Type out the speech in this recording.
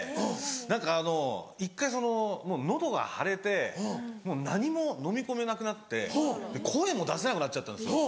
何かあの１回喉が腫れてもう何ものみ込めなくなって声も出せなくなっちゃったんですよ。